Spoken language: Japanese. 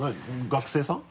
学生さん？